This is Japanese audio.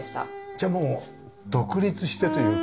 じゃあもう独立してというか。